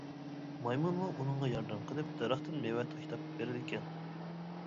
مايمۇنمۇ ئۇنىڭغا ياردەم قىلىپ دەرەختىن مېۋە تاشلاپ بېرىدىكەن.